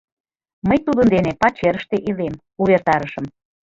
— Мый тудын дене пачерыште илем, — увертарышым.